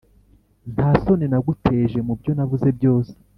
nta soni naguteje mubyo navuze byose